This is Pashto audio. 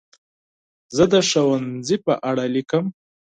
زه د ښوونځي په اړه لیکم.